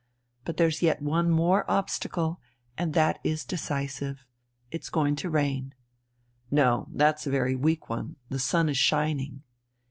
But there's yet one more obstacle, and that is decisive. It's going to rain." "No, that's a very weak one. The sun is shining...."